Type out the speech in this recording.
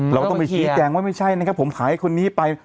เราต้องไปชี้แจงว่าไม่ใช่นะครับผมขายคนนี้ไป